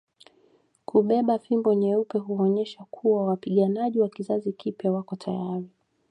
Kubeba fimbo nyeupe huonyesha kuwa wapiganaji wa kizazi kipya wako tayari